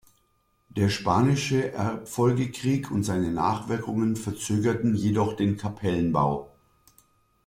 Der spanische Erbfolgekrieg und seine Nachwirkungen verzögerten jedoch den Kapellenbau.